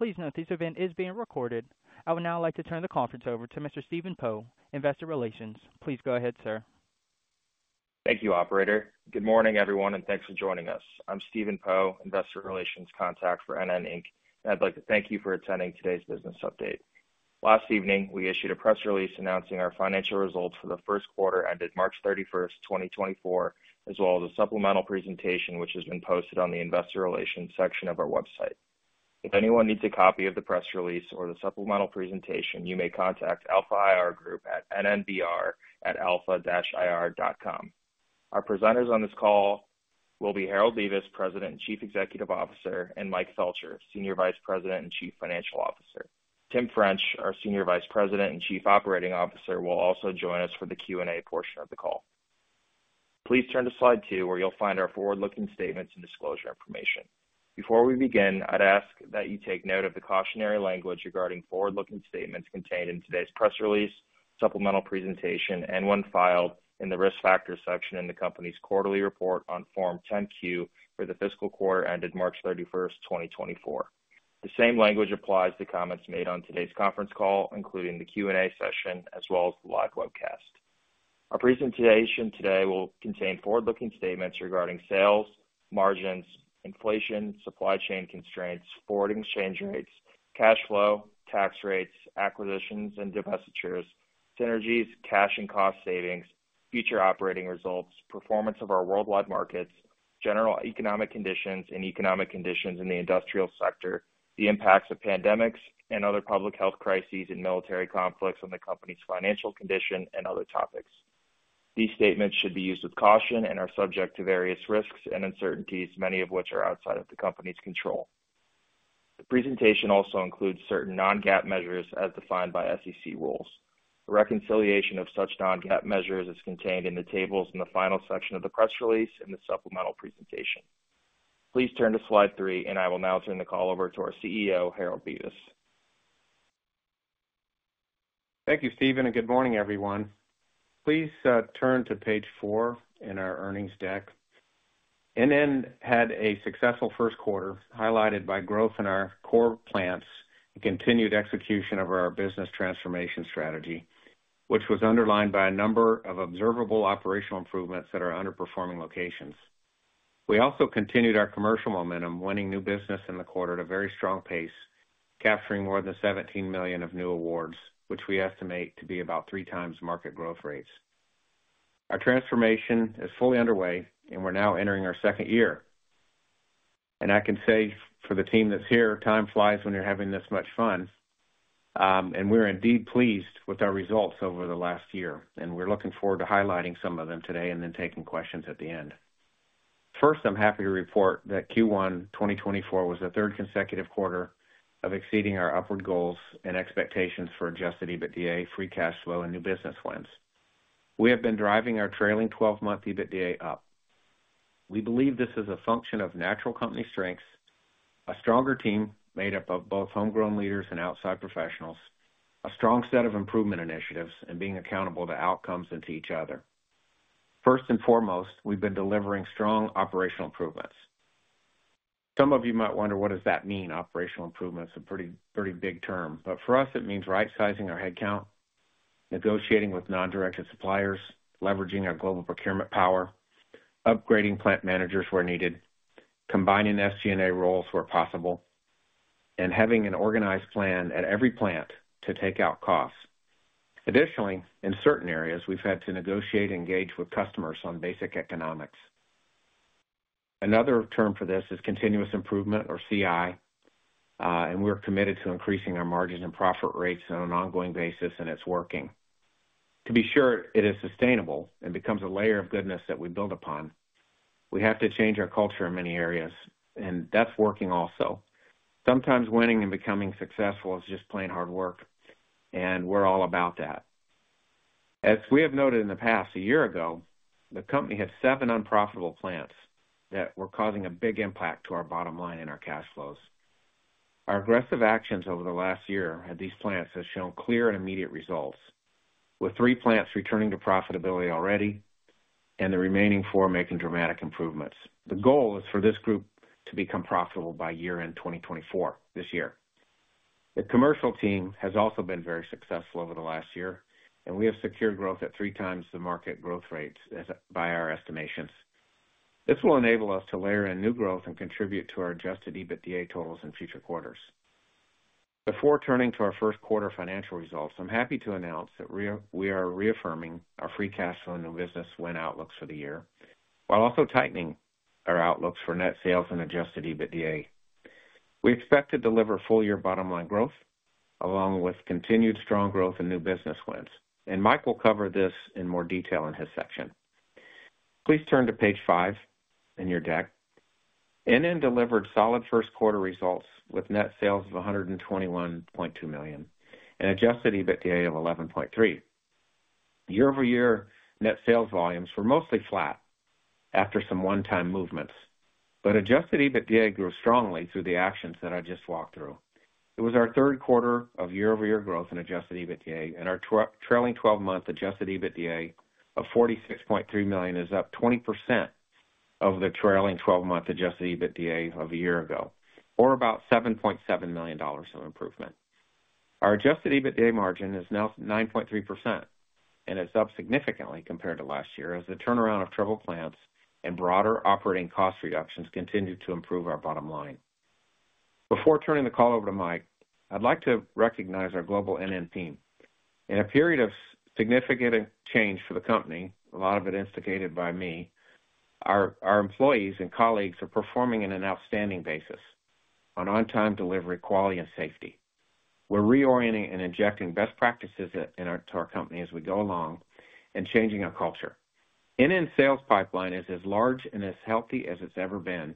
Please note, this event is being recorded. I would now like to turn the conference over to Mr. Stephen Poe, Investor Relations. Please go ahead, sir. Thank you, operator. Good morning, everyone, and thanks for joining us. I'm Stephen Poe, Investor Relations contact for NN, Inc., and I'd like to thank you for attending today's business update. Last evening, we issued a press release announcing our financial results for the first quarter ended March 31st, 2024, as well as a supplemental presentation which has been posted on the investor relations section of our website. If anyone needs a copy of the press release or the supplemental presentation, you may contact Alpha IR Group at nnbr@alpha-ir.com. Our presenters on this call will be Harold Bevis, President and Chief Executive Officer, and Mike Felcher, Senior Vice President and Chief Financial Officer. Tim French, our Senior Vice President and Chief Operating Officer, will also join us for the Q and A portion of the call. Please turn to slide two, where you'll find our forward-looking statements and disclosure information. Before we begin, I'd ask that you take note of the cautionary language regarding forward-looking statements contained in today's press release, supplemental presentation, and one filed in the risk factors section in the company's quarterly report on Form 10-Q for the fiscal quarter ended March 31st, 2024. The same language applies to comments made on today's conference call, including the Q and A session as well as the live webcast. Our presentation today will contain forward-looking statements regarding sales, margins, inflation, supply chain constraints, forward exchange rates, cash flow, tax rates, acquisitions and divestitures, synergies, cash and cost savings, future operating results, performance of our worldwide markets, general economic conditions and economic conditions in the industrial sector, the impacts of pandemics and other public health crises and military conflicts on the company's financial condition, and other topics. These statements should be used with caution and are subject to various risks and uncertainties, many of which are outside of the company's control. The presentation also includes certain non-GAAP measures as defined by SEC rules. The reconciliation of such non-GAAP measures is contained in the tables in the final section of the press release and the supplemental presentation. Please turn to slide three, and I will now turn the call over to our CEO, Harold Bevis. Thank you, Stephen, and good morning, everyone. Please turn to page four in our earnings deck. NN had a successful first quarter highlighted by growth in our core plants and continued execution of our business transformation strategy, which was underlined by a number of observable operational improvements at our underperforming locations. We also continued our commercial momentum, winning new business in the quarter at a very strong pace, capturing more than $17 million of new awards, which we estimate to be about 3x market growth rates. Our transformation is fully underway, and we're now entering our second year. And I can say for the team that's here, time flies when you're having this much fun. And we're indeed pleased with our results over the last year, and we're looking forward to highlighting some of them today and then taking questions at the end. First, I'm happy to report that Q1 2024 was the third consecutive quarter of exceeding our upward goals and expectations for adjusted EBITDA, free cash flow, and new business wins. We have been driving our trailing 12-month EBITDA up. We believe this is a function of natural company strengths, a stronger team made up of both homegrown leaders and outside professionals, a strong set of improvement initiatives, and being accountable to outcomes and to each other. First and foremost, we've been delivering strong operational improvements. Some of you might wonder, what does that mean? Operational improvements are a pretty big term, but for us, it means right-sizing our headcount, negotiating with non-directed suppliers, leveraging our global procurement power, upgrading plant managers where needed, combining SG&A roles where possible, and having an organized plan at every plant to take out costs. Additionally, in certain areas, we've had to negotiate and engage with customers on basic economics. Another term for this is continuous improvement, or CI, and we're committed to increasing our margins and profit rates on an ongoing basis, and it's working. To be sure it is sustainable and becomes a layer of goodness that we build upon, we have to change our culture in many areas, and that's working also. Sometimes winning and becoming successful is just plain hard work, and we're all about that. As we have noted in the past, a year ago, the company had seven unprofitable plants that were causing a big impact to our bottom line and our cash flows. Our aggressive actions over the last year at these plants have shown clear and immediate results, with three plants returning to profitability already and the remaining four making dramatic improvements. The goal is for this group to become profitable by year-end 2024, this year. The commercial team has also been very successful over the last year, and we have secured growth at 3 times the market growth rates by our estimations. This will enable us to layer in new growth and contribute to our adjusted EBITDA totals in future quarters. Before turning to our first quarter financial results, I'm happy to announce that we are reaffirming our free cash flow and new business win outlooks for the year while also tightening our outlooks for net sales and adjusted EBITDA. We expect to deliver full-year bottom line growth along with continued strong growth and new business wins, and Mike will cover this in more detail in his section. Please turn to page 5 in your deck. NN delivered solid first quarter results with net sales of $121.2 million and adjusted EBITDA of $11.3 million. Year-over-year, net sales volumes were mostly flat after some one-time movements, but adjusted EBITDA grew strongly through the actions that I just walked through. It was our third quarter of year-over-year growth in adjusted EBITDA, and our trailing 12-month adjusted EBITDA of $46.3 million is up 20% of the trailing 12-month adjusted EBITDA of a year ago, or about $7.7 million of improvement. Our adjusted EBITDA margin is now 9.3%, and it's up significantly compared to last year as the turnaround of troubled plants and broader operating cost reductions continue to improve our bottom line. Before turning the call over to Mike, I'd like to recognize our global NN team. In a period of significant change for the company, a lot of it instigated by me, our employees and colleagues are performing on an outstanding basis on-time delivery, quality, and safety. We're reorienting and injecting best practices into our company as we go along and changing our culture. NN's sales pipeline is as large and as healthy as it's ever been,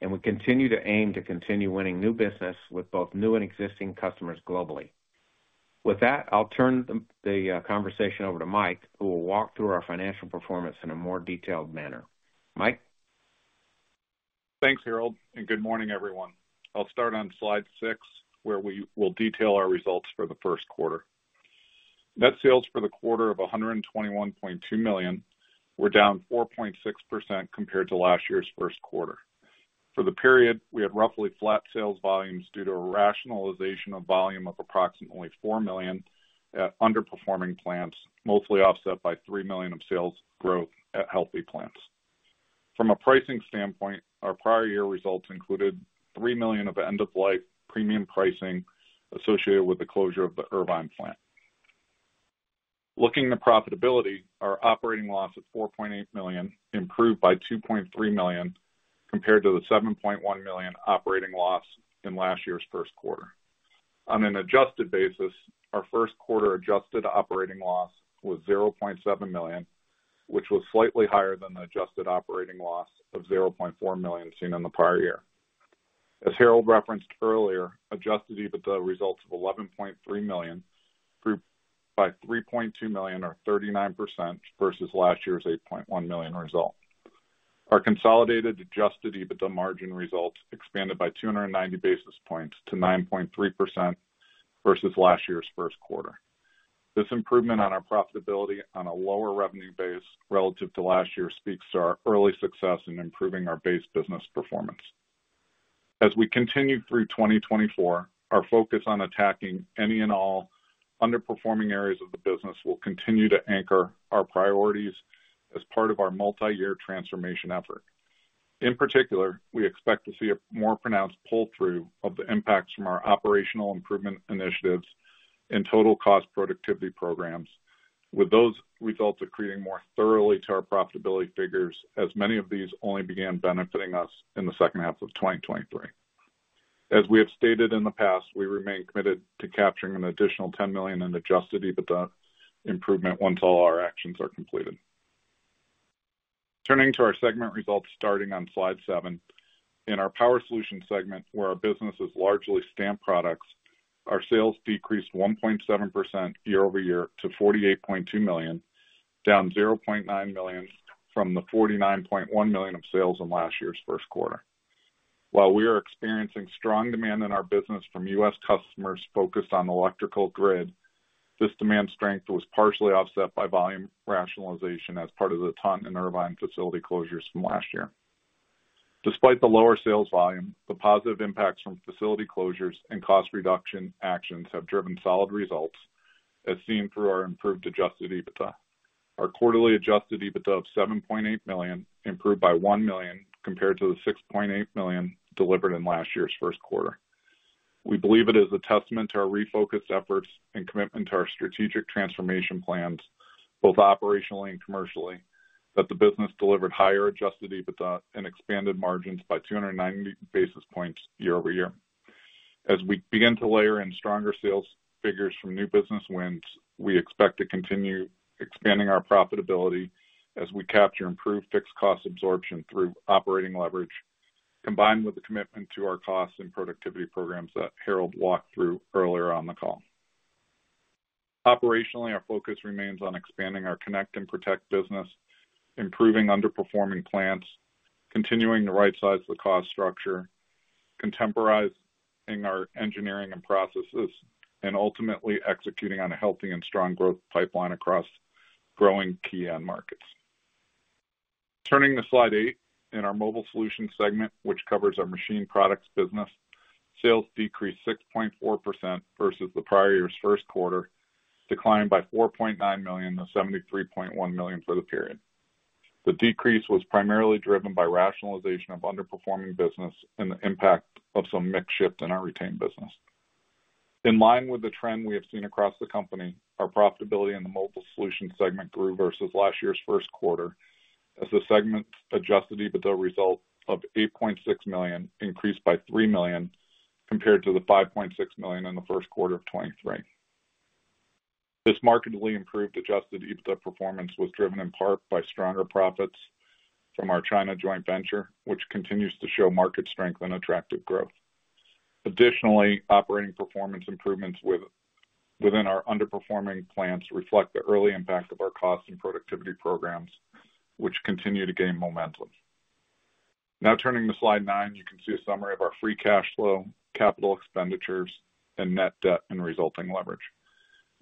and we continue to aim to continue winning new business with both new and existing customers globally. With that, I'll turn the conversation over to Mike, who will walk through our financial performance in a more detailed manner. Mike? Thanks, Harold, and good morning, everyone. I'll start on slide six, where we will detail our results for the first quarter. Net sales for the quarter of $121.2 million. We're down 4.6% compared to last year's first quarter. For the period, we had roughly flat sales volumes due to a rationalization of volume of approximately $4 million at underperforming plants, mostly offset by $3 million of sales growth at healthy plants. From a pricing standpoint, our prior year results included $3 million of end-of-life premium pricing associated with the closure of the Irvine plant. Looking at profitability, our operating loss is $4.8 million, improved by $2.3 million compared to the $7.1 million operating loss in last year's first quarter. On an adjusted basis, our first quarter adjusted operating loss was $0.7 million, which was slightly higher than the adjusted operating loss of $0.4 million seen in the prior year. As Harold referenced earlier, adjusted EBITDA results of $11.3 million grew by $3.2 million, or 39%, versus last year's $8.1 million result. Our consolidated adjusted EBITDA margin results expanded by 290 basis points to 9.3% versus last year's first quarter. This improvement on our profitability on a lower revenue base relative to last year speaks to our early success in improving our base business performance. As we continue through 2024, our focus on attacking any and all underperforming areas of the business will continue to anchor our priorities as part of our multi-year transformation effort. In particular, we expect to see a more pronounced pull-through of the impacts from our operational improvement initiatives and total cost productivity programs, with those results accreting more thoroughly to our profitability figures as many of these only began benefiting us in the second half of 2023. As we have stated in the past, we remain committed to capturing an additional $10 million in adjusted EBITDA improvement once all our actions are completed. Turning to our segment results starting on slide seven. In our Power Solutions segment, where our business is largely stamped products, our sales decreased 1.7% year-over-year to $48.2 million, down $0.9 million from the $49.1 million of sales in last year's first quarter. While we are experiencing strong demand in our business from U.S. customers focused on the electrical grid, this demand strength was partially offset by volume rationalization as part of the Taunton and Irvine facility closures from last year. Despite the lower sales volume, the positive impacts from facility closures and cost reduction actions have driven solid results as seen through our improved adjusted EBITDA. Our quarterly adjusted EBITDA of $7.8 million improved by $1 million compared to the $6.8 million delivered in last year's first quarter. We believe it is a testament to our refocused efforts and commitment to our strategic transformation plans, both operationally and commercially, that the business delivered higher adjusted EBITDA and expanded margins by 290 basis points year-over-year. As we begin to layer in stronger sales figures from new business wins, we expect to continue expanding our profitability as we capture improved fixed cost absorption through operating leverage, combined with the commitment to our costs and productivity programs that Harold walked through earlier on the call. Operationally, our focus remains on expanding our Connect and Protect business, improving underperforming plants, continuing to right-size the cost structure, contemporizing our engineering and processes, and ultimately executing on a healthy and strong growth pipeline across growing key end markets. Turning to slide 8. In our Mobile Solutions segment, which covers our machined products business, sales decreased 6.4% versus the prior year's first quarter, declining by $4.9 million to $73.1 million for the period. The decrease was primarily driven by rationalization of underperforming business and the impact of some mix shift in our retained business. In line with the trend we have seen across the company, our profitability in the Mobile Solutions segment grew versus last year's first quarter as the segment's adjusted EBITDA result of $8.6 million increased by $3 million compared to the $5.6 million in the first quarter of 2023. This markedly improved adjusted EBITDA performance was driven in part by stronger profits from our China joint venture, which continues to show market strength and attractive growth. Additionally, operating performance improvements within our underperforming plants reflect the early impact of our cost and productivity programs, which continue to gain momentum. Now turning to slide nine, you can see a summary of our free cash flow, capital expenditures, and net debt and resulting leverage.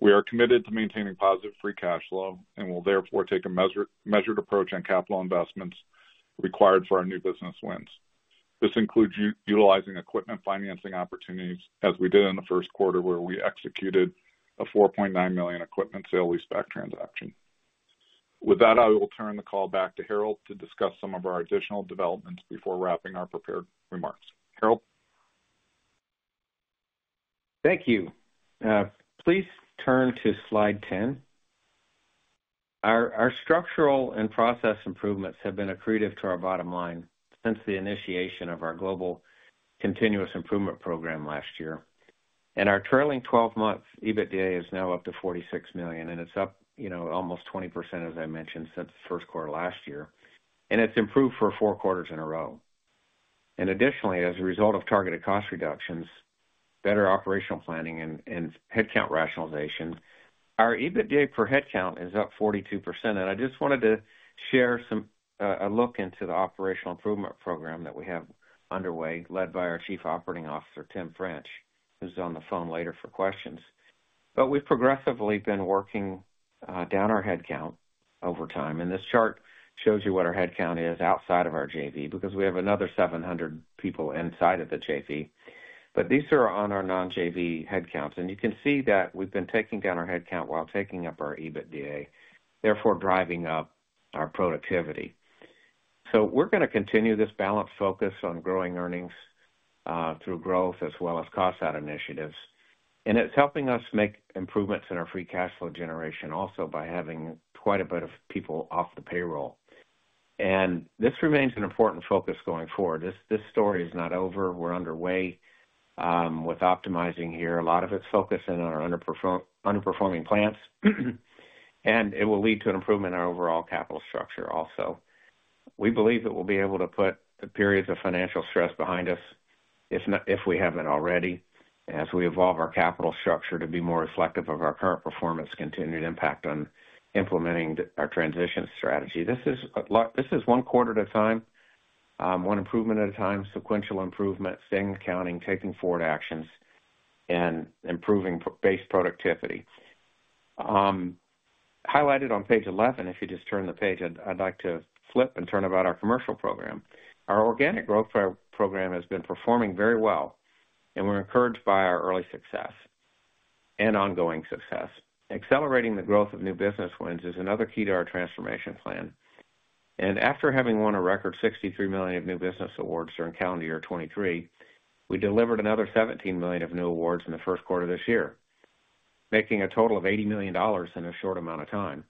We are committed to maintaining positive free cash flow and will therefore take a measured approach on capital investments required for our new business wins. This includes utilizing equipment financing opportunities as we did in the first quarter, where we executed a $4.9 million equipment sale lease back transaction. With that, I will turn the call back to Harold to discuss some of our additional developments before wrapping our prepared remarks. Harold? Thank you. Please turn to slide 10. Our structural and process improvements have been accretive to our bottom line since the initiation of our global continuous improvement program last year. Our trailing 12-month EBITDA is now up to $46 million, and it's up almost 20%, as I mentioned, since the first quarter last year. It's improved for four quarters in a row. Additionally, as a result of targeted cost reductions, better operational planning, and headcount rationalization, our EBITDA per headcount is up 42%. I just wanted to share a look into the operational improvement program that we have underway led by our Chief Operating Officer, Tim French, who's on the phone later for questions. We've progressively been working down our headcount over time. This chart shows you what our headcount is outside of our JV because we have another 700 people inside of the JV. These are on our non-JV headcounts. You can see that we've been taking down our headcount while taking up our EBITDA, therefore driving up our productivity. We're going to continue this balanced focus on growing earnings through growth as well as cost out initiatives. It's helping us make improvements in our free cash flow generation also by having quite a bit of people off the payroll. This remains an important focus going forward. This story is not over. We're underway with optimizing here. A lot of it's focused in our underperforming plants. It will lead to an improvement in our overall capital structure also. We believe that we'll be able to put periods of financial stress behind us if we haven't already as we evolve our capital structure to be more reflective of our current performance, continued impact on implementing our transition strategy. This is one quarter at a time, one improvement at a time, sequential improvement, staying accountable, taking forward actions, and improving base productivity. Highlighted on page 11, if you just turn the page, I'd like to turn to our commercial program. Our organic growth program has been performing very well, and we're encouraged by our early success and ongoing success. Accelerating the growth of new business wins is another key to our transformation plan. After having won a record $63 million of new business awards during calendar year 2023, we delivered another $17 million of new awards in the first quarter this year, making a total of $80 million in a short amount of time.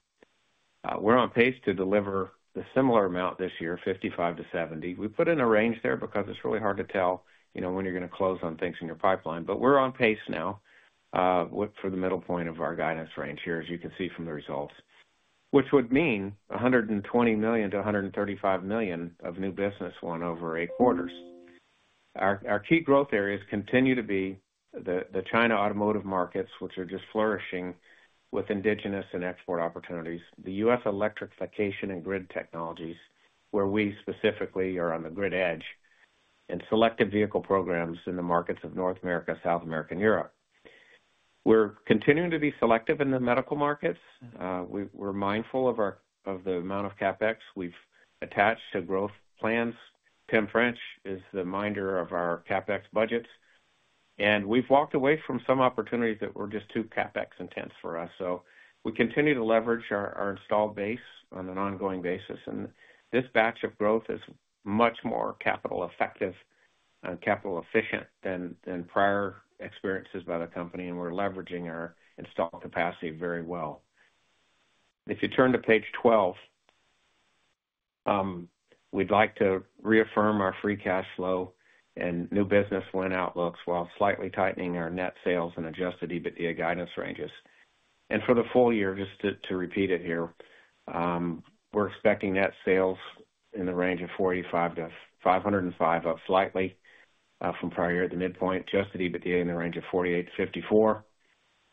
We're on pace to deliver the similar amount this year, $55 million-$70 million. We put in a range there because it's really hard to tell when you're going to close on things in your pipeline. But we're on pace now for the middle point of our guidance range here, as you can see from the results, which would mean $120 million-$135 million of new business won over eight quarters. Our key growth areas continue to be the China automotive markets, which are just flourishing with indigenous and export opportunities, the U.S. Electrification and grid technologies, where we specifically are on the grid edge, and selective vehicle programs in the markets of North America, South America, and Europe. We're continuing to be selective in the medical markets. We're mindful of the amount of CapEx we've attached to growth plans. Tim French is the minder of our CapEx budgets. We've walked away from some opportunities that were just too CapEx intense for us. We continue to leverage our installed base on an ongoing basis. This batch of growth is much more capital effective and capital efficient than prior experiences by the company. We're leveraging our installed capacity very well. If you turn to page 12, we'd like to reaffirm our free cash flow and new business win outlooks while slightly tightening our net sales and adjusted EBITDA guidance ranges. For the full year, just to repeat it here, we're expecting net sales in the range of $450-$505, up slightly from prior year at the midpoint, adjusted EBITDA in the range of $48-$54,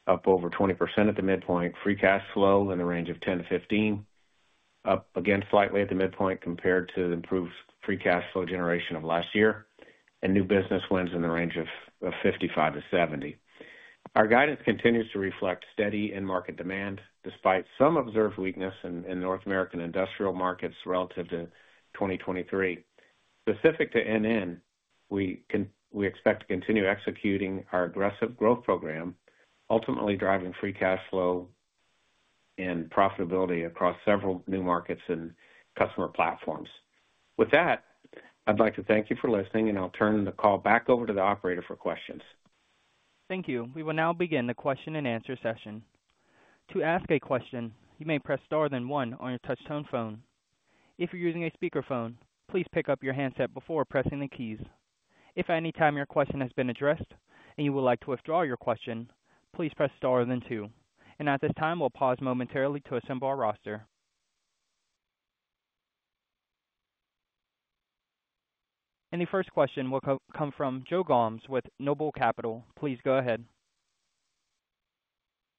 up over 20% at the midpoint, free cash flow in the range of $10-$15, up again slightly at the midpoint compared to the improved free cash flow generation of last year, and new business wins in the range of $55-$70. Our guidance continues to reflect steady in-market demand despite some observed weakness in North American industrial markets relative to 2023. Specific to NN, we expect to continue executing our aggressive growth program, ultimately driving free cash flow and profitability across several new markets and customer platforms. With that, I'd like to thank you for listening, and I'll turn the call back over to the operator for questions. Thank you. We will now begin the question-and-answer session. To ask a question, you may press star, then one on your touch-tone phone. If you're using a speakerphone, please pick up your handset before pressing the keys. If at any time your question has been addressed and you would like to withdraw your question, please press star, then two. At this time, we'll pause momentarily to assemble our roster. The first question will come from Joe Gomes with Noble Capital Markets. Please go ahead.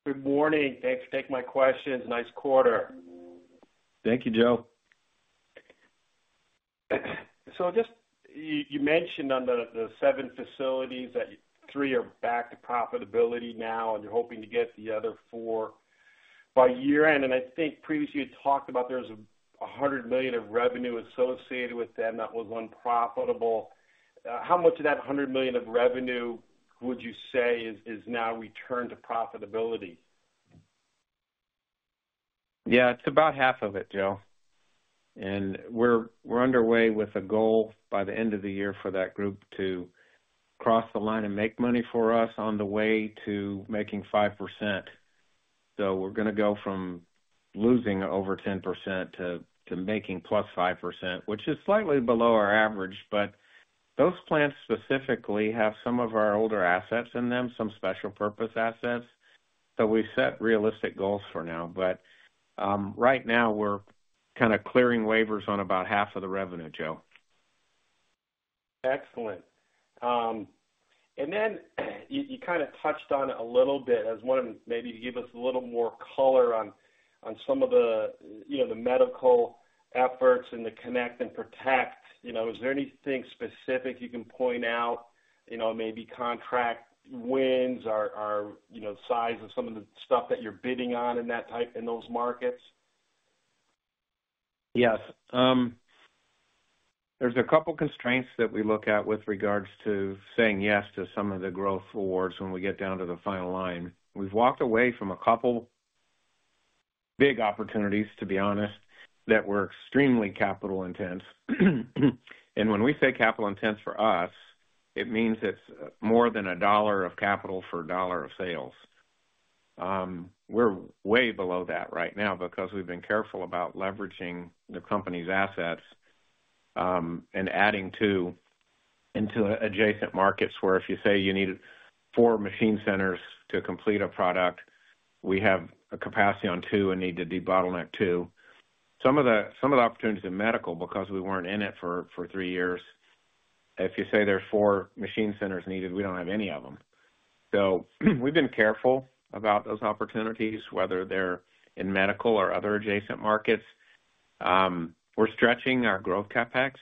Good morning. Thanks for taking my questions. Nice quarter. Thank you, Joe. You mentioned on the seven facilities that three are back to profitability now, and you're hoping to get the other four by year-end. I think previously you had talked about there was $100 million of revenue associated with them that was unprofitable. How much of that $100 million of revenue would you say is now returned to profitability? Yeah, it's about half of it, Joe. And we're underway with a goal by the end of the year for that group to cross the line and make money for us on the way to making 5%. So we're going to go from losing over 10% to making +5%, which is slightly below our average. But those plants specifically have some of our older assets in them, some special purpose assets. So we've set realistic goals for now. But right now, we're kind of clearing waivers on about half of the revenue, Joe. Excellent. Then you kind of touched on it a little bit as one of maybe to give us a little more color on some of the medical efforts and the Connect and Protect. Is there anything specific you can point out, maybe contract wins or size of some of the stuff that you're bidding on in those markets? Yes. There's a couple of constraints that we look at with regards to saying yes to some of the growth awards when we get down to the final line. We've walked away from a couple of big opportunities, to be honest, that were extremely capital intense. When we say capital intense for us, it means it's more than a dollar of capital for a dollar of sales. We're way below that right now because we've been careful about leveraging the company's assets and adding to adjacent markets where if you say you need four machine centers to complete a product, we have a capacity on two and need to debottleneck two. Some of the opportunities in medical, because we weren't in it for three years, if you say there's four machine centers needed, we don't have any of them. So we've been careful about those opportunities, whether they're in medical or other adjacent markets. We're stretching our growth CapEx.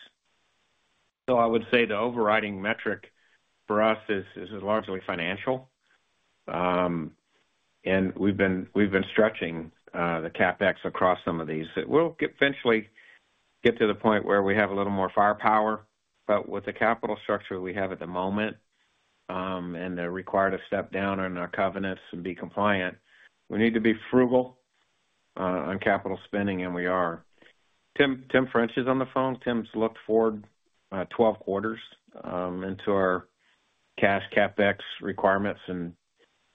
So I would say the overriding metric for us is largely financial. And we've been stretching the CapEx across some of these. We'll eventually get to the point where we have a little more firepower. But with the capital structure we have at the moment and the requirement to step down on our covenants and be compliant, we need to be frugal on capital spending, and we are. Tim French is on the phone. Tim's looked forward 12 quarters into our cash CapEx requirements. And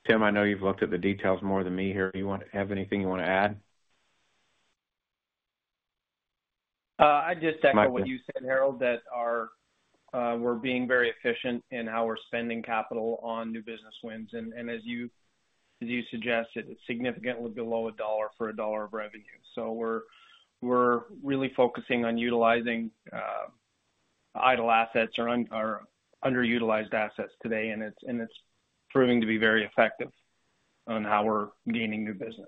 Tim, I know you've looked at the details more than me here. Do you have anything you want to add? I'd just echo what you said, Harold, that we're being very efficient in how we're spending capital on new business wins. And as you suggested, it's significantly below a dollar for a dollar of revenue. So we're really focusing on utilizing idle assets or underutilized assets today. And it's proving to be very effective on how we're gaining new business.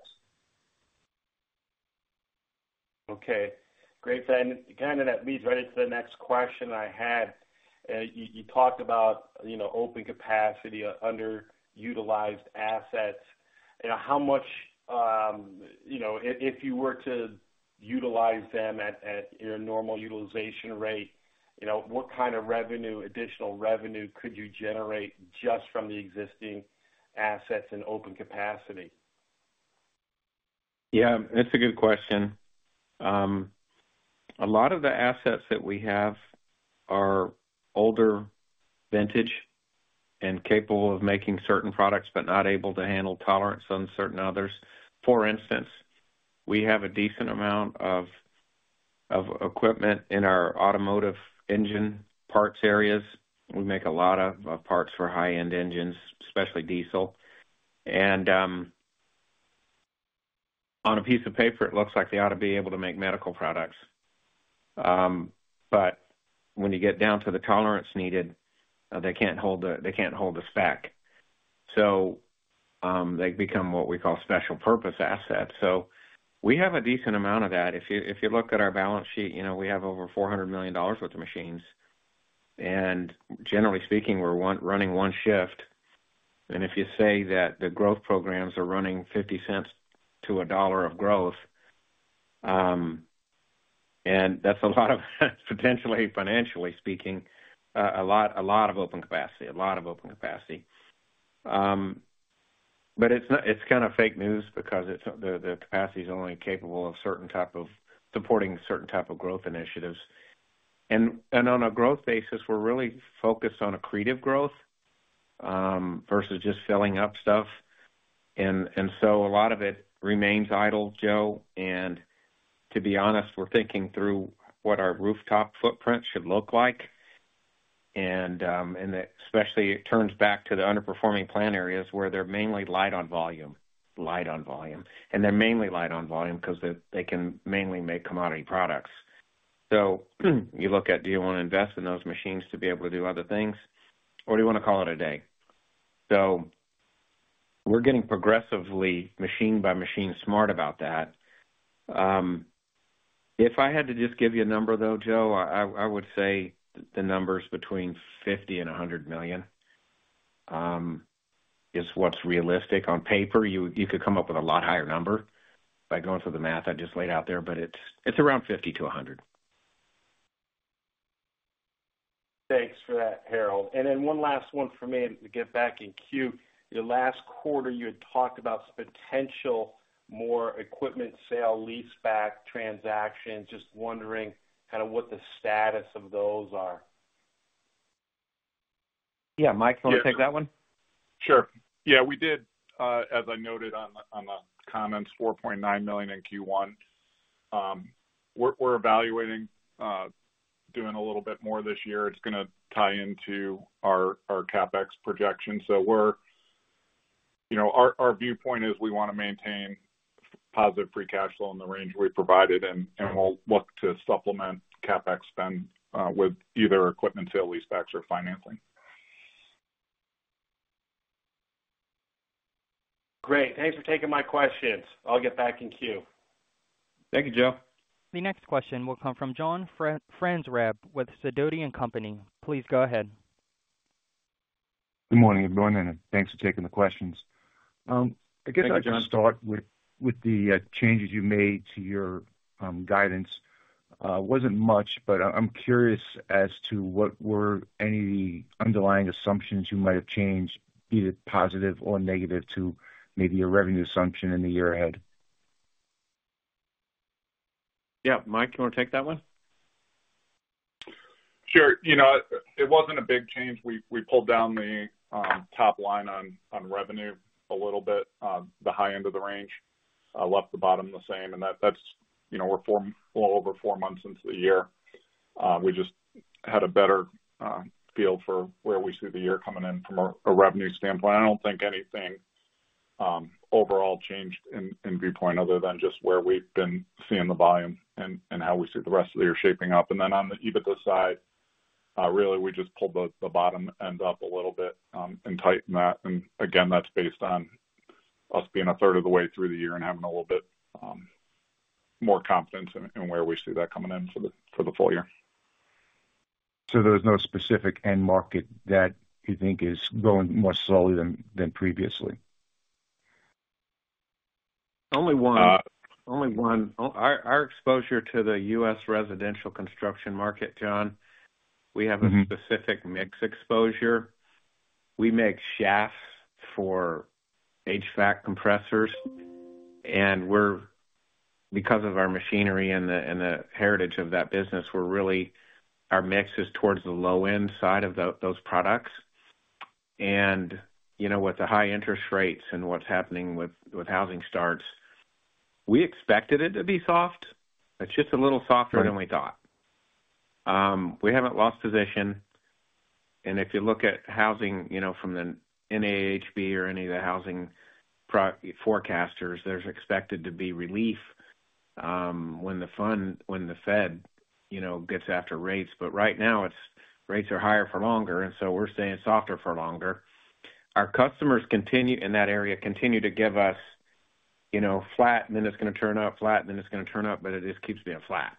Okay. Great. Then kind of that leads right into the next question I had. You talked about open capacity, underutilized assets. How much if you were to utilize them at your normal utilization rate, what kind of additional revenue could you generate just from the existing assets in open capacity? Yeah, that's a good question. A lot of the assets that we have are older vintage and capable of making certain products but not able to handle tolerance on certain others. For instance, we have a decent amount of equipment in our automotive engine parts areas. We make a lot of parts for high-end engines, especially diesel. And on a piece of paper, it looks like they ought to be able to make medical products. But when you get down to the tolerance needed, they can't hold the spec. So they become what we call special purpose assets. So we have a decent amount of that. If you look at our balance sheet, we have over $400 million worth of machines. And generally speaking, we're running one shift. And if you say that the growth programs are running $0.50-$1 of growth, and that's a lot of potentially, financially speaking, a lot of open capacity, a lot of open capacity. But it's kind of fake news because the capacity is only capable of supporting certain type of growth initiatives. And on a growth basis, we're really focused on a creative growth versus just filling up stuff. And so a lot of it remains idle, Joe. And to be honest, we're thinking through what our rooftop footprint should look like. And especially, it turns back to the underperforming plant areas where they're mainly light on volume, light on volume. And they're mainly light on volume because they can mainly make commodity products. So you look at, do you want to invest in those machines to be able to do other things, or do you want to call it a day? So we're getting progressively machine by machine smart about that. If I had to just give you a number, though, Joe, I would say the numbers between $50 million and $100 million is what's realistic. On paper, you could come up with a lot higher number by going through the math I just laid out there. But it's around $50 million-$100 million. Thanks for that, Harold. And then one last one for me to get back in queue. Your last quarter, you had talked about potential more equipment sale-leaseback transactions. Just wondering kind of what the status of those are. Yeah. Mike, you want to take that one? Sure. Yeah, we did, as I noted on the comments, $4.9 million in Q1. We're evaluating, doing a little bit more this year. It's going to tie into our CapEx projection. So our viewpoint is we want to maintain positive free cash flow in the range we provided. And we'll look to supplement CapEx spend with either equipment sale, lease-backs, or financing. Great. Thanks for taking my questions. I'll get back in queue. Thank you, Joe. The next question will come from John Franzreb with Sidoti & Company. Please go ahead. Good morning. Good morning, NN. Thanks for taking the questions. I guess I'd just start with the changes you made to your guidance. It wasn't much, but I'm curious as to whether any underlying assumptions you might have changed, be it positive or negative, to maybe a revenue assumption in the year ahead. Yeah. Mike, you want to take that one? Sure. It wasn't a big change. We pulled down the top line on revenue a little bit, the high end of the range. I left the bottom the same. And we're well over four months into the year. We just had a better feel for where we see the year coming in from a revenue standpoint. I don't think anything overall changed in viewpoint other than just where we've been seeing the volume and how we see the rest of the year shaping up. And then on the EBITDA side, really, we just pulled the bottom end up a little bit and tightened that. And again, that's based on us being a third of the way through the year and having a little bit more confidence in where we see that coming in for the full year. So there was no specific end market that you think is going more slowly than previously? Only one. Our exposure to the U.S. residential construction market, John, we have a specific mix exposure. We make shafts for HVAC compressors. And because of our machinery and the heritage of that business, our mix is towards the low-end side of those products. And with the high interest rates and what's happening with housing starts, we expected it to be soft. It's just a little softer than we thought. We haven't lost position. And if you look at housing from the NAHB or any of the housing forecasters, there's expected to be relief when the Fed gets after rates. But right now, rates are higher for longer. And so we're staying softer for longer. Our customers in that area continue to give us flat, and then it's going to turn up, flat, and then it's going to turn up, but it just keeps being flat.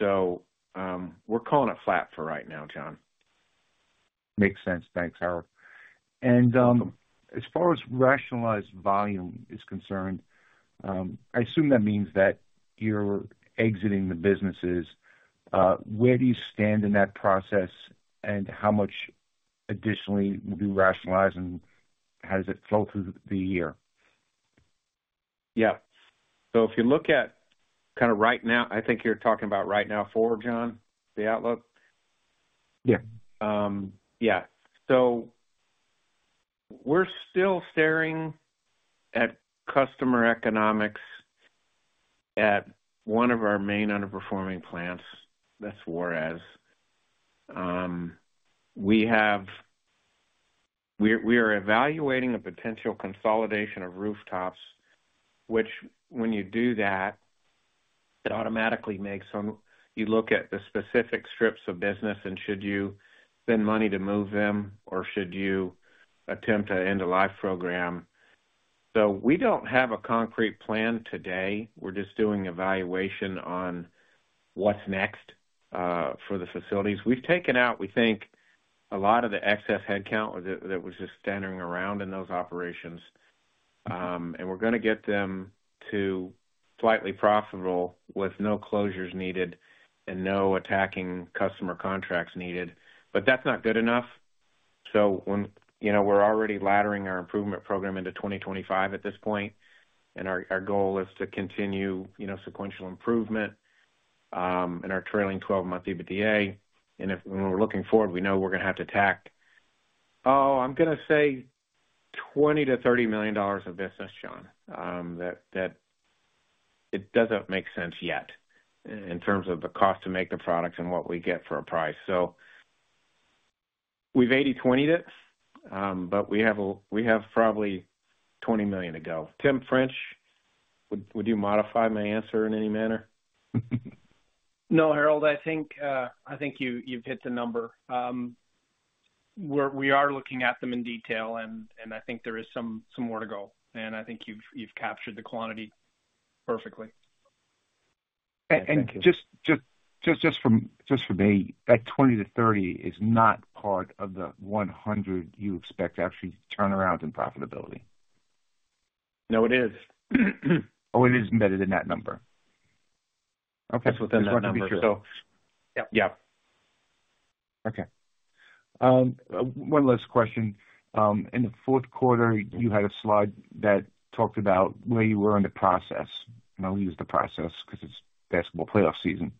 We're calling it flat for right now, John. Makes sense. Thanks, Harold. And as far as rationalized volume is concerned, I assume that means that you're exiting the businesses. Where do you stand in that process, and how much additionally will be rationalized, and how does it flow through the year? Yeah. So if you look at kind of right now, I think you're talking about right now forward, John, the outlook? Yeah. Yeah. So we're still staring at customer economics at one of our main underperforming plants. That's Juarez. We are evaluating a potential consolidation of rooftops, which when you do that, it automatically makes you look at the specific strips of business and should you spend money to move them or should you attempt an end-of-life program. So we don't have a concrete plan today. We're just doing evaluation on what's next for the facilities. We've taken out, we think, a lot of the excess headcount that was just standing around in those operations. And we're going to get them to slightly profitable with no closures needed and no attacking customer contracts needed. But that's not good enough. So we're already laddering our improvement program into 2025 at this point. And our goal is to continue sequential improvement in our trailing 12-month EBITDA. When we're looking forward, we know we're going to have to tack, oh, I'm going to say $20 million-$30 million of business, John, that it doesn't make sense yet in terms of the cost to make the products and what we get for a price. So we've 80/20 it, but we have probably $20 million to go. Tim French, would you modify my answer in any manner? No, Harold, I think you've hit the number. We are looking at them in detail, and I think there is some more to go. And I think you've captured the quantity perfectly. Just for me, that 20-30 is not part of the 100 you expect actually turnaround in profitability. No, it is. Oh, it is embedded in that number. Okay. That's within that number, so. Yep. Okay. One last question. In the fourth quarter, you had a slide that talked about where you were in the process. And I'll use the process because it's basketball playoff season.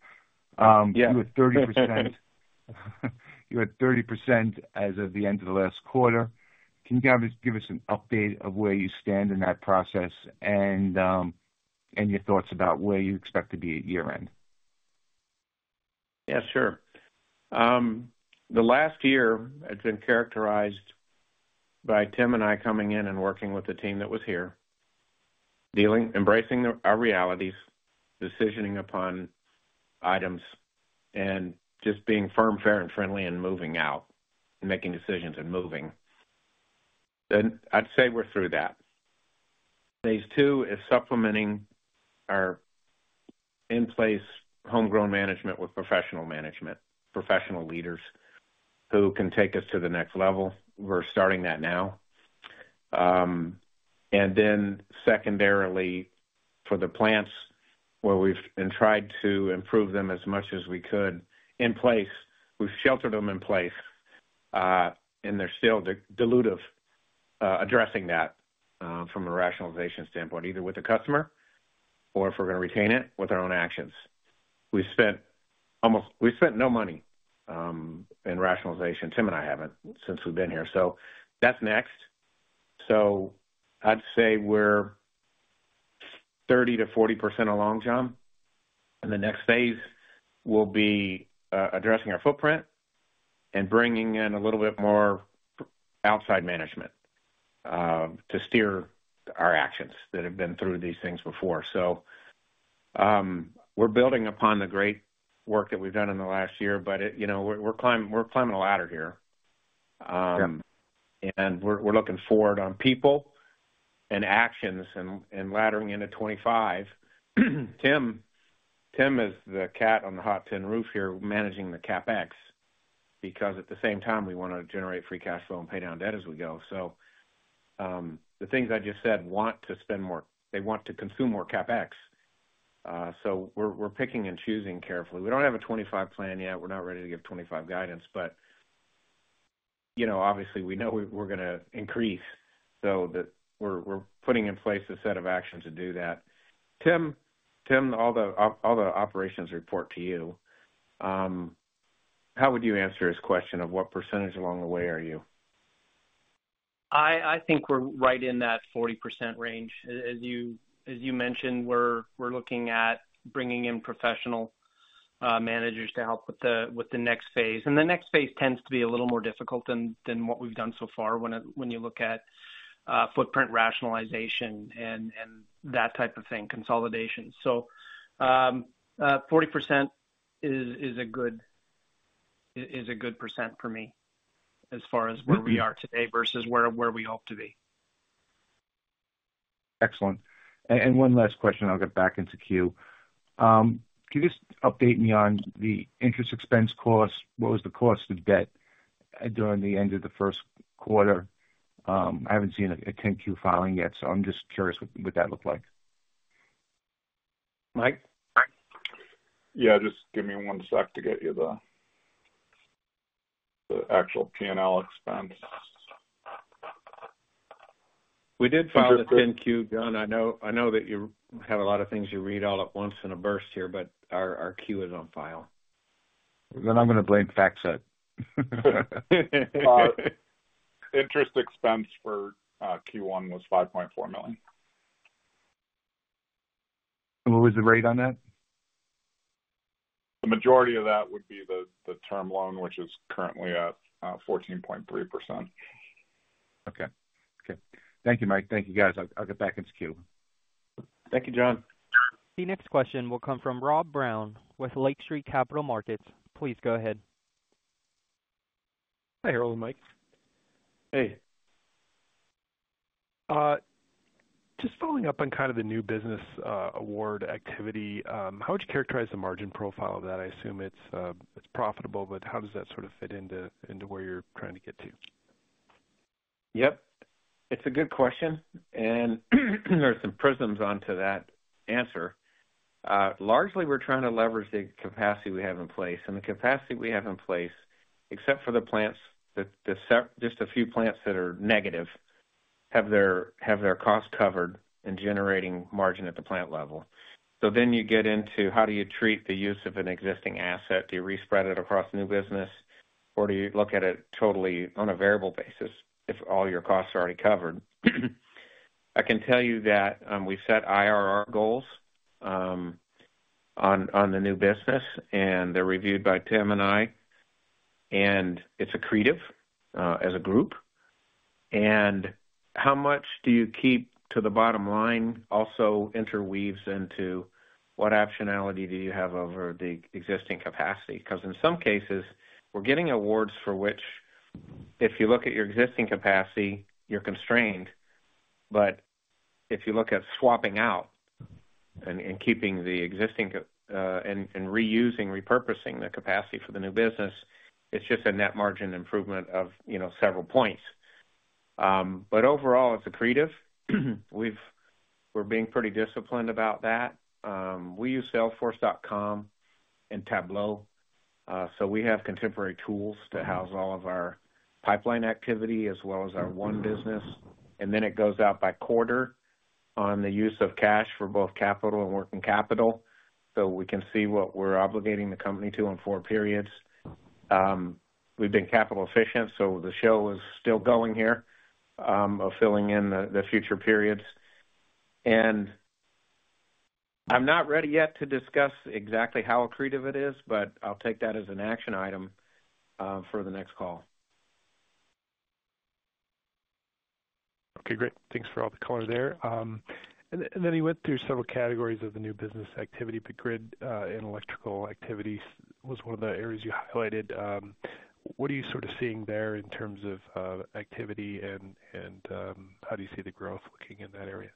You were 30% as of the end of the last quarter. Can you give us an update of where you stand in that process and your thoughts about where you expect to be at year-end? Yeah, sure. The last year has been characterized by Tim and I coming in and working with the team that was here, embracing our realities, decisioning upon items, and just being firm, fair, and friendly, and moving out, making decisions, and moving. I'd say we're through that. Phase two is supplementing our in-place homegrown management with professional management, professional leaders who can take us to the next level. We're starting that now. And then secondarily, for the plants where we've tried to improve them as much as we could in place, we've sheltered them in place. And they're still dilutive addressing that from a rationalization standpoint, either with the customer or if we're going to retain it with our own actions. We spent no money in rationalization. Tim and I haven't since we've been here. So that's next. So I'd say we're 30%-40% along, John. The next phase will be addressing our footprint and bringing in a little bit more outside management to steer our actions that have been through these things before. So we're building upon the great work that we've done in the last year, but we're climbing a ladder here. We're looking forward on people and actions and laddering into 2025. Tim is the cat on the hot tin roof here managing the CapEx because at the same time, we want to generate free cash flow and pay down debt as we go. So the things I just said want to spend more they want to consume more CapEx. So we're picking and choosing carefully. We don't have a 2025 plan yet. We're not ready to give 2025 guidance. Obviously, we know we're going to increase. So we're putting in place a set of actions to do that. Tim, all the operations report to you. How would you answer his question of what percentage along the way are you? I think we're right in that 40% range. As you mentioned, we're looking at bringing in professional managers to help with the next phase. The next phase tends to be a little more difficult than what we've done so far when you look at footprint rationalization and that type of thing, consolidation. So 40% is a good percent for me as far as where we are today versus where we hope to be. Excellent. One last question. I'll get back into queue. Can you just update me on the interest expense cost? What was the cost of debt during the end of the first quarter? I haven't seen a 10-Q filing yet, so I'm just curious what that looked like? Mike? Yeah. Just give me 1 sec to get you the actual P&L expense. We did file the 10-Q, John. I know that you have a lot of things you read all at once in a burst here, but our Q is on file. I'm going to blame FactSet. Interest expense for Q1 was $5.4 million. What was the rate on that? The majority of that would be the term loan, which is currently at 14.3%. Okay. Okay. Thank you, Mike. Thank you, guys. I'll get back into queue. Thank you, John. The next question will come from Rob Brown with Lake Street Capital Markets. Please go ahead. Hi, Harold and Mike. Hey. Just following up on kind of the new business award activity, how would you characterize the margin profile of that? I assume it's profitable, but how does that sort of fit into where you're trying to get to? Yep. It's a good question. There are some prisms onto that answer. Largely, we're trying to leverage the capacity we have in place. The capacity we have in place, except for the plants, just a few plants that are negative have their costs covered and generating margin at the plant level. So then you get into how do you treat the use of an existing asset? Do you re-spread it across new business, or do you look at it totally on a variable basis if all your costs are already covered? I can tell you that we've set IRR goals on the new business, and they're reviewed by Tim and I. It's a creative as a group. How much do you keep to the bottom line also interweaves into what optionality do you have over the existing capacity? Because in some cases, we're getting awards for which if you look at your existing capacity, you're constrained. But if you look at swapping out and keeping the existing and reusing, repurposing the capacity for the new business, it's just a net margin improvement of several points. But overall, it's a creative. We're being pretty disciplined about that. We use Salesforce.com and Tableau. So we have contemporary tools to house all of our pipeline activity as well as our one business. And then it goes out by quarter on the use of cash for both capital and working capital so we can see what we're obligating the company to on four periods. We've been capital-efficient, so the show is still going here of filling in the future periods. I'm not ready yet to discuss exactly how creative it is, but I'll take that as an action item for the next call. Okay. Great. Thanks for all the color there. Then you went through several categories of the new business activity, but grid and electrical activity was one of the areas you highlighted. What are you sort of seeing there in terms of activity, and how do you see the growth looking in that area?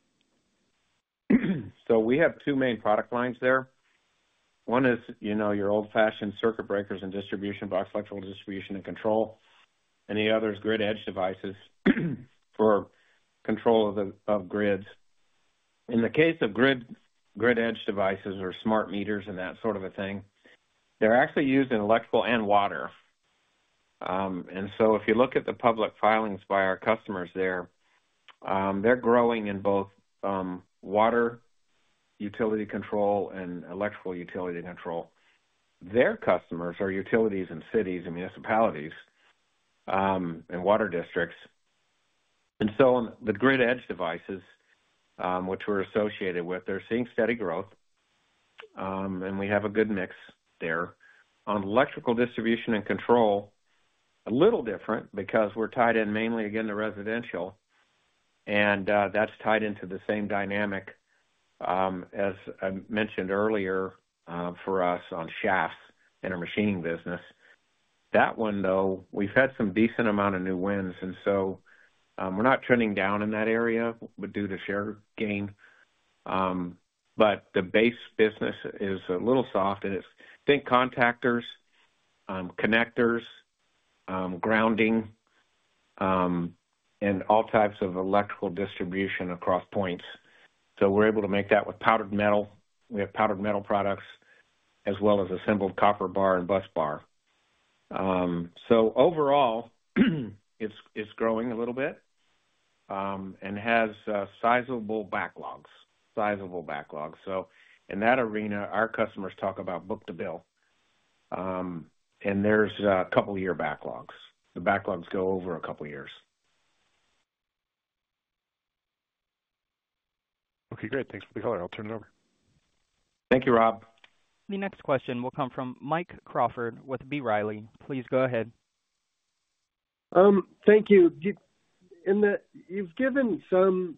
So we have two main product lines there. One is your old-fashioned circuit breakers and distribution box, electrical distribution and control. And the other is grid-edge devices for control of grids. In the case of grid-edge devices or smart meters and that sort of a thing, they're actually used in electrical and water. And so if you look at the public filings by our customers there, they're growing in both water utility control and electrical utility control. Their customers are utilities and cities and municipalities and water districts. And so the grid-edge devices, which we're associated with, they're seeing steady growth. And we have a good mix there. On electrical distribution and control, a little different because we're tied in mainly, again, to residential. And that's tied into the same dynamic as I mentioned earlier for us on shafts in our machining business. That one, though, we've had some decent amount of new wins. So we're not trending down in that area, but due to share gain. The base business is a little soft. It's, I think, contactors, connectors, grounding, and all types of electrical distribution across points. We're able to make that with powdered metal. We have powdered metal products as well as assembled copper bar and busbar. Overall, it's growing a little bit and has sizable backlogs. Sizable backlogs. In that arena, our customers talk about book-to-bill. There's a couple-year backlogs. The backlogs go over a couple of years. Okay. Great. Thanks for the color. I'll turn it over. Thank you, Rob. The next question will come from Mike Crawford with B. Riley. Please go ahead. Thank you. You've given some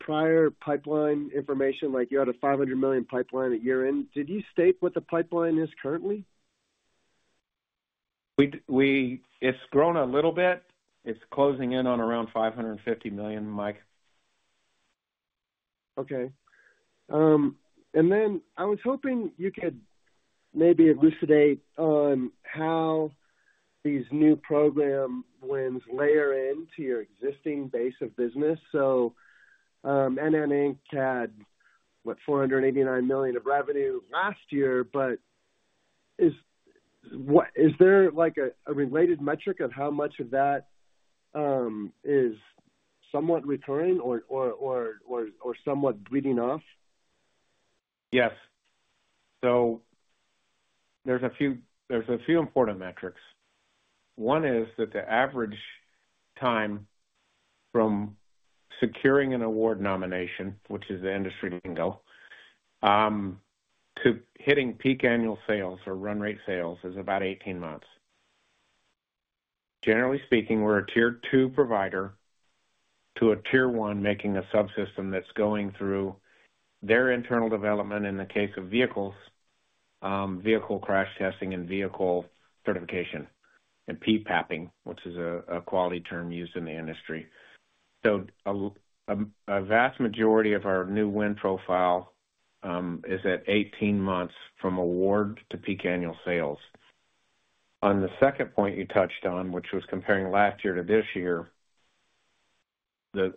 prior pipeline information. You had a $500 million pipeline at year-end. Did you state what the pipeline is currently? It's grown a little bit. It's closing in on around $550 million, Mike. Okay. Then I was hoping you could maybe elucidate on how these new program wins layer into your existing base of business. So NN, Inc. had, what, $489 million of revenue last year, but is there a related metric of how much of that is somewhat recurring or somewhat bleeding off? Yes. So there's a few important metrics. One is that the average time from securing an award nomination, which is the industry lingo, to hitting peak annual sales or run-rate sales is about 18 months. Generally speaking, we're a tier-two provider to a tier-one making a subsystem that's going through their internal development in the case of vehicles, vehicle crash testing, and vehicle certification and PPAP, which is a quality term used in the industry. So a vast majority of our new win profile is at 18 months from award to peak annual sales. On the second point you touched on, which was comparing last year to this year,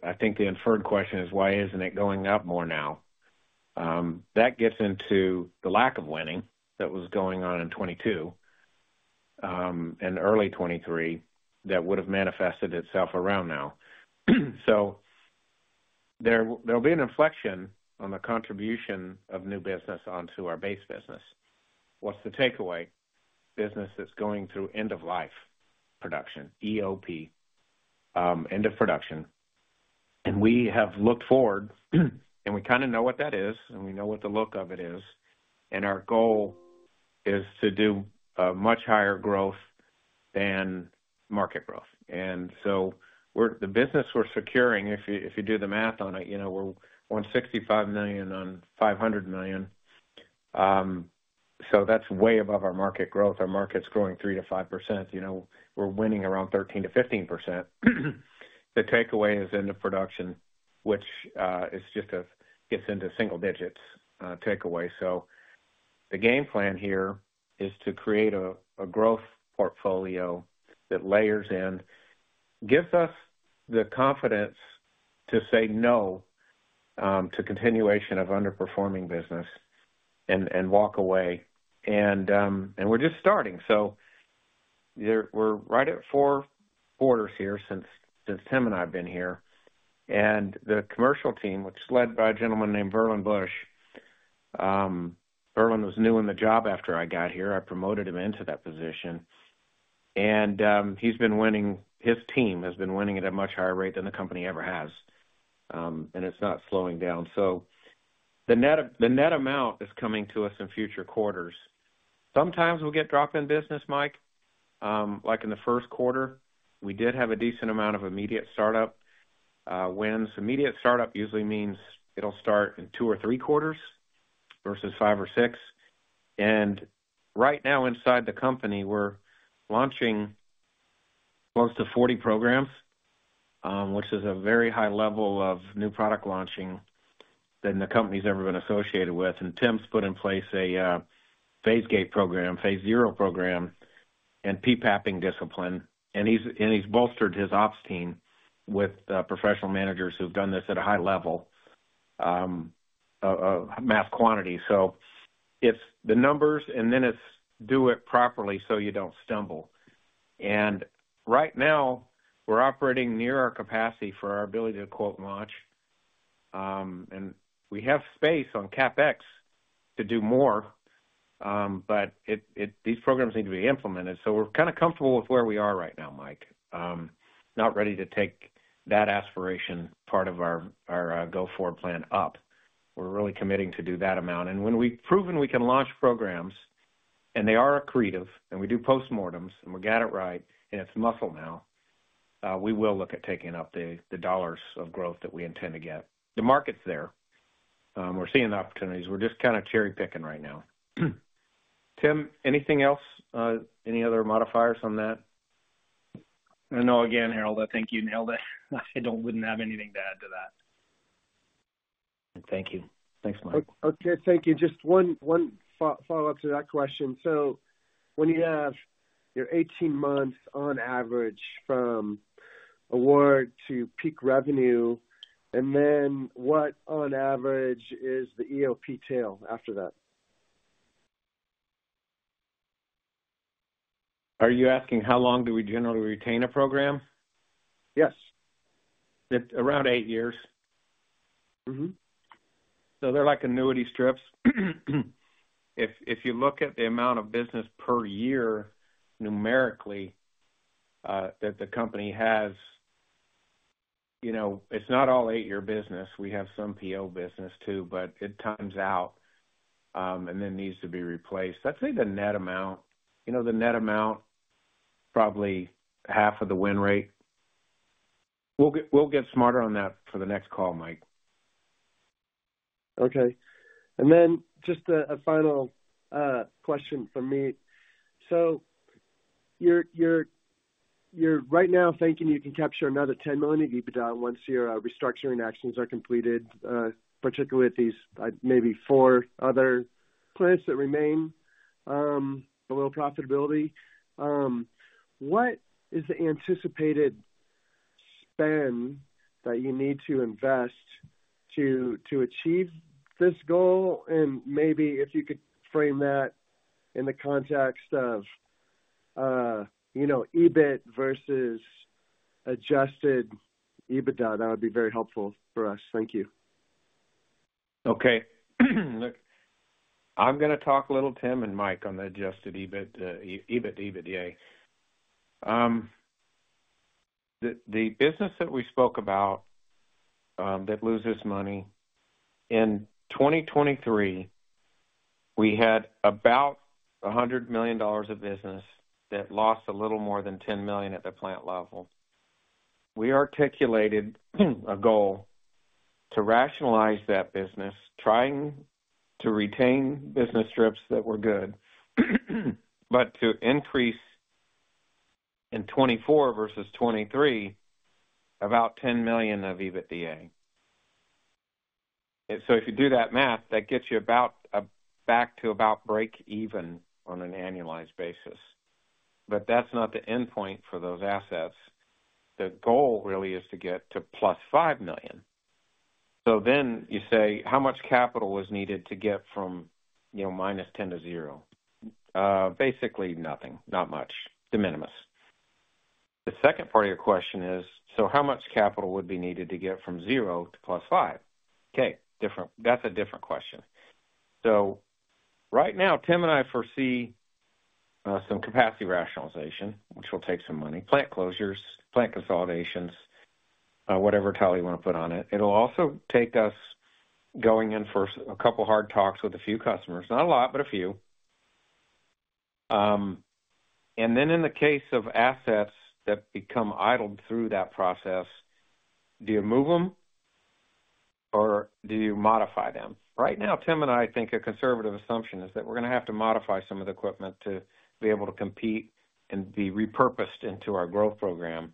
I think the inferred question is, "Why isn't it going up more now?" That gets into the lack of winning that was going on in 2022 and early 2023 that would have manifested itself around now. So there'll be an inflection on the contribution of new business onto our base business. What's the takeaway? Business that's going through end-of-life production, EOP, end of production. We have looked forward, and we kind of know what that is, and we know what the look of it is. Our goal is to do much higher growth than market growth. So the business we're securing, if you do the math on it, we're $165 million on $500 million. So that's way above our market growth. Our market's growing 3%-5%. We're winning around 13%-15%. The takeaway is end of production, which gets into single-digits takeaway. So the game plan here is to create a growth portfolio that layers in, gives us the confidence to say no to continuation of underperforming business and walk away. We're just starting. So we're right at four quarters here since Tim and I've been here. The commercial team, which is led by a gentleman named Verlin Bush, Verlin was new in the job after I got here. I promoted him into that position. His team has been winning at a much higher rate than the company ever has. It's not slowing down. So the net amount is coming to us in future quarters. Sometimes we'll get drop-in business, Mike. Like in the first quarter, we did have a decent amount of immediate startup wins. Immediate startup usually means it'll start in two or three quarters versus five or six. Right now, inside the company, we're launching close to 40 programs, which is a very high level of new product launching than the company's ever been associated with. Tim's put in place a phase-gate program, Phase Zero program, and PPAP'ing discipline. He's bolstered his ops team with professional managers who've done this at a high level, mass quantity. So it's the numbers, and then it's do it properly so you don't stumble. Right now, we're operating near our capacity for our ability to quote launch. We have space on CapEx to do more, but these programs need to be implemented. So we're kind of comfortable with where we are right now, Mike, not ready to take that aspiration part of our go-forward plan up. We're really committing to do that amount. When we've proven we can launch programs, and they are creative, and we do postmortems, and we got it right, and it's muscle now, we will look at taking up the dollars of growth that we intend to get. The market's there. We're seeing the opportunities. We're just kind of cherry-picking right now. Tim, anything else? Any other modifiers on that? No, again, Harold. I thank you. I wouldn't have anything to add to that. Thank you. Thanks, Mike. Okay. Thank you. Just one follow-up to that question. So when you have your 18 months on average from award to peak revenue, and then what, on average, is the EOP tail after that? Are you asking how long do we generally retain a program? Yes. Around eight years. So they're like annuity strips. If you look at the amount of business per year numerically that the company has, it's not all eight-year business. We have some PO business too, but it times out and then needs to be replaced. I'd say the net amount. The net amount, probably half of the win rate. We'll get smarter on that for the next call, Mike. Okay. And then just a final question from me. So you're right now thinking you can capture another $10 million if you put down once your restructuring actions are completed, particularly at these maybe four other plants that remain below profitability. What is the anticipated spend that you need to invest to achieve this goal? And maybe if you could frame that in the context of EBIT versus adjusted EBITDA, that would be very helpful for us. Thank you. Okay. Look, I'm going to talk a little, Tim and Mike, on the adjusted EBITDA. The business that we spoke about that loses money, in 2023, we had about $100 million of business that lost a little more than $10 million at the plant level. We articulated a goal to rationalize that business, trying to retain business strips that were good, but to increase in 2024 versus 2023 about $10 million of EBITDA. So if you do that math, that gets you back to about break-even on an annualized basis. But that's not the endpoint for those assets. The goal really is to get to +$5 million. So then you say, "How much capital was needed to get from -$10 million to $0?" Basically, nothing. Not much. De minimis. The second part of your question is, "So how much capital would be needed to get from 0 to +5?" Okay. That's a different question. So right now, Tim and I foresee some capacity rationalization, which will take some money, plant closures, plant consolidations, whatever tally you want to put on it. It'll also take us going in for a couple of hard talks with a few customers. Not a lot, but a few. And then in the case of assets that become idled through that process, do you move them or do you modify them? Right now, Tim and I think a conservative assumption is that we're going to have to modify some of the equipment to be able to compete and be repurposed into our growth program.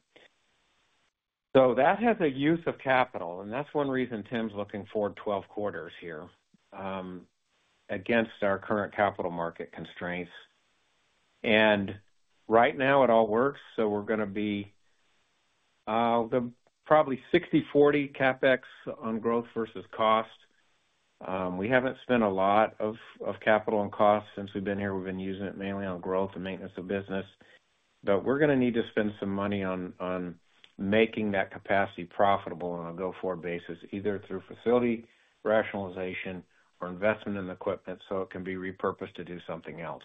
So that has a use of capital. That's one reason Tim's looking forward 12 quarters here against our current capital market constraints. Right now, it all works. We're going to be probably 60/40 CapEx on growth versus cost. We haven't spent a lot of capital on cost since we've been here. We've been using it mainly on growth and maintenance of business. But we're going to need to spend some money on making that capacity profitable on a go-forward basis, either through facility rationalization or investment in the equipment so it can be repurposed to do something else.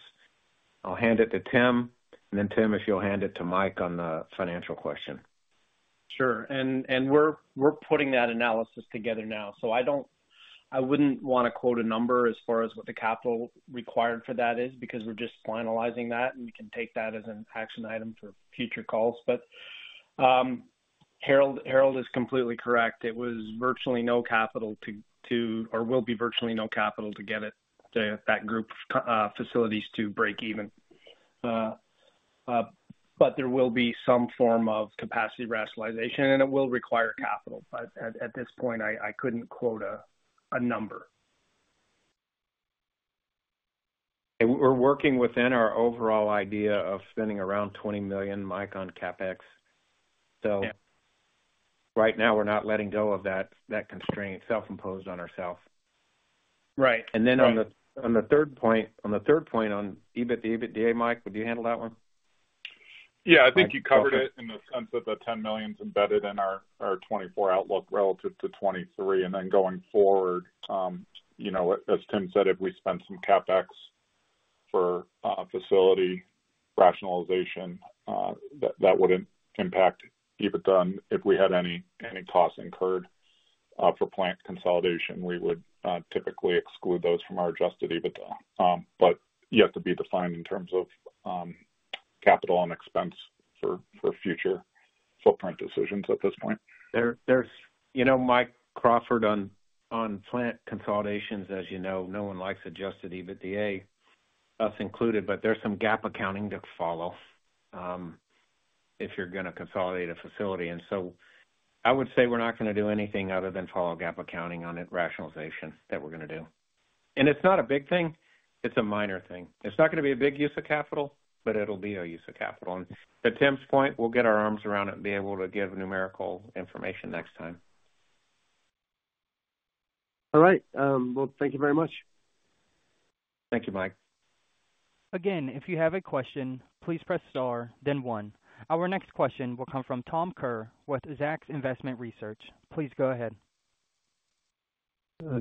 I'll hand it to Tim. And then, Tim, if you'll hand it to Mike on the financial question. Sure. And we're putting that analysis together now. So I wouldn't want to quote a number as far as what the capital required for that is because we're just finalizing that. And we can take that as an action item for future calls. But Harold is completely correct. It was virtually no capital to or will be virtually no capital to get that group facilities to break even. But there will be some form of capacity rationalization, and it will require capital. But at this point, I couldn't quote a number. We're working within our overall idea of spending around $20 million, Mike, on CapEx. So right now, we're not letting go of that constraint self-imposed on ourselves. Then on the third point on the third point on EBIT, EBITDA, Mike, would you handle that one? Yeah. I think you covered it in the sense that the $10 million's embedded in our 2024 outlook relative to 2023. And then going forward, as Tim said, if we spend some CapEx for facility rationalization, that wouldn't impact EBITDA. And if we had any costs incurred for plant consolidation, we would typically exclude those from our adjusted EBITDA. But you have to be defined in terms of capital and expense for future footprint decisions at this point. Mike Crawford on plant consolidations, as you know, no one likes adjusted EBITDA, us included. But there's some GAAP accounting to follow if you're going to consolidate a facility. So I would say we're not going to do anything other than follow GAAP accounting on the rationalization that we're going to do. It's not a big thing. It's a minor thing. It's not going to be a big use of capital, but it'll be a use of capital. To Tim's point, we'll get our arms around it and be able to give numerical information next time. All right. Well, thank you very much. Thank you, Mike. Again, if you have a question, please press star, then one. Our next question will come from Tom Kerr with Zacks Investment Research. Please go ahead.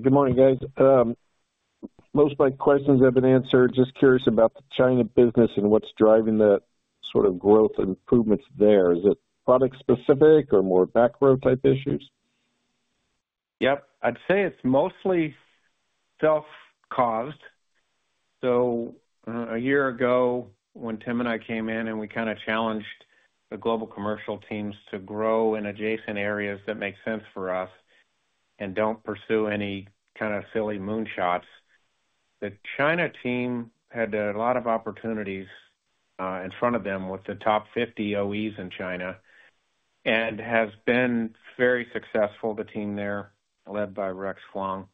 Good morning, guys. Most of my questions have been answered. Just curious about the China business and what's driving the sort of growth improvements there. Is it product-specific or more macro-type issues? Yep. I'd say it's mostly self-caused. So a year ago, when Tim and I came in and we kind of challenged the global commercial teams to grow in adjacent areas that make sense for us and don't pursue any kind of silly moonshots, the China team had a lot of opportunities in front of them with the top 50 OEs in China and has been very successful, the team there, led by Rex Huang.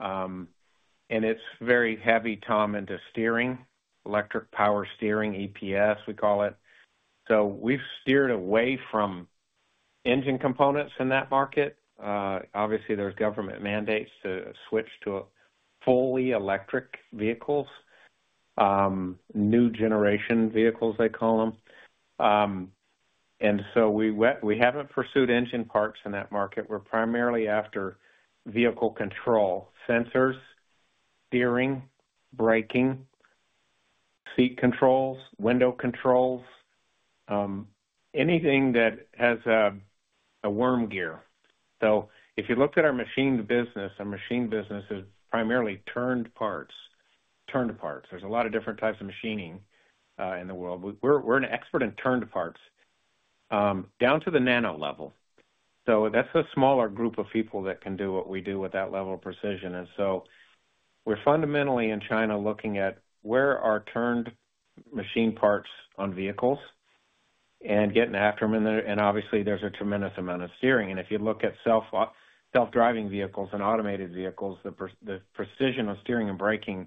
And it's very heavily into steering, electric power steering, EPS, we call it. So we've steered away from engine components in that market. Obviously, there's government mandates to switch to fully electric vehicles, new generation vehicles, they call them. And so we haven't pursued engine parts in that market. We're primarily after vehicle control, sensors, steering, braking, seat controls, window controls, anything that has a worm gear. So if you looked at our machined business, our machined business is primarily turned parts. Turned parts. There's a lot of different types of machining in the world. We're an expert in turned parts down to the nano level. So that's a smaller group of people that can do what we do with that level of precision. And so we're fundamentally in China looking at where are turned machine parts on vehicles and getting after them. And obviously, there's a tremendous amount of steering. And if you look at self-driving vehicles and automated vehicles, the precision of steering and braking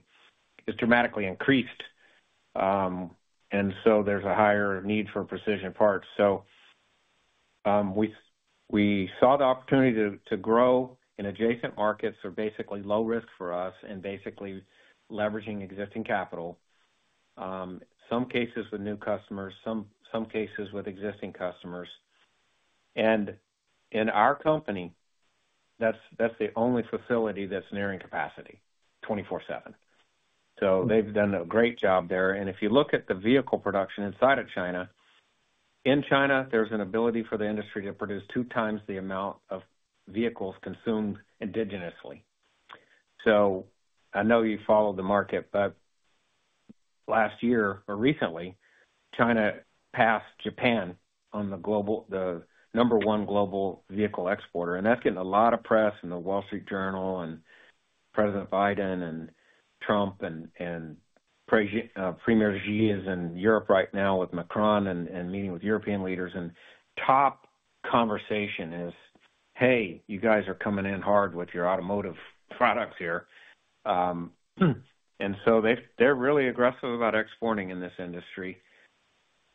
is dramatically increased. And so there's a higher need for precision parts. So we saw the opportunity to grow in adjacent markets are basically low risk for us and basically leveraging existing capital, some cases with new customers, some cases with existing customers. In our company, that's the only facility that's nearing capacity 24/7. So they've done a great job there. If you look at the vehicle production inside of China, in China, there's an ability for the industry to produce two times the amount of vehicles consumed indigenously. So I know you follow the market, but last year or recently, China passed Japan on the number one global vehicle exporter. That's getting a lot of press in the Wall Street Journal and President Biden and Trump and Premier Xi is in Europe right now with Macron and meeting with European leaders. Top conversation is, "Hey, you guys are coming in hard with your automotive products here." So they're really aggressive about exporting in this industry.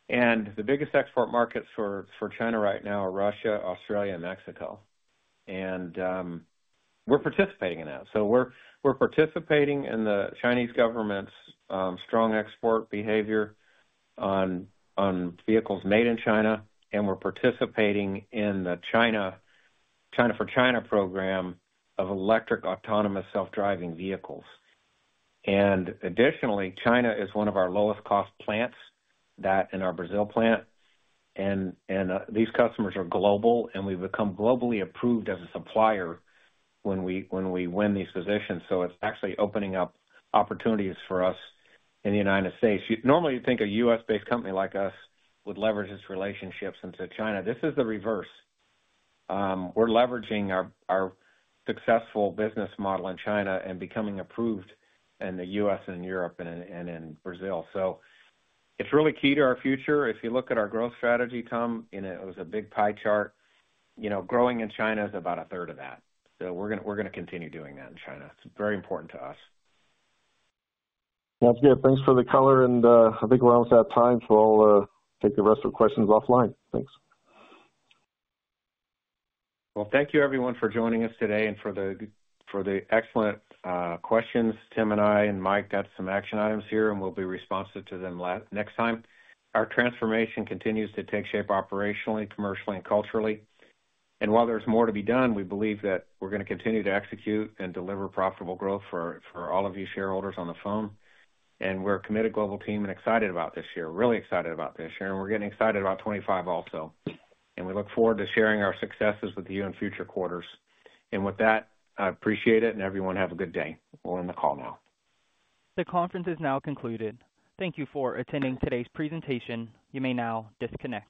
The biggest export markets for China right now are Russia, Australia, and Mexico. We're participating in that. We're participating in the Chinese government's strong export behavior on vehicles made in China. We're participating in the China for China program of electric autonomous self-driving vehicles. Additionally, China is one of our lowest-cost plants in our Brazil plant. These customers are global. We've become globally approved as a supplier when we win these positions. It's actually opening up opportunities for us in the United States. Normally, you'd think a U.S.-based company like us would leverage its relationships into China. This is the reverse. We're leveraging our successful business model in China and becoming approved in the U.S. and Europe and in Brazil. It's really key to our future. If you look at our growth strategy, Tom, it was a big pie chart. Growing in China is about a third of that. We're going to continue doing that in China. It's very important to us. Sounds good. Thanks for the color. And I think we're almost out of time. So I'll take the rest of the questions offline. Thanks. Well, thank you, everyone, for joining us today and for the excellent questions, Tim and I and Mike. That's some action items here, and we'll be responsive to them next time. Our transformation continues to take shape operationally, commercially, and culturally. While there's more to be done, we believe that we're going to continue to execute and deliver profitable growth for all of you shareholders on the phone. We're a committed global team and excited about this year. Really excited about this year. We're getting excited about 2025 also. We look forward to sharing our successes with you in future quarters. With that, I appreciate it. Everyone, have a good day. We'll end the call now. The conference is now concluded. Thank you for attending today's presentation. You may now disconnect.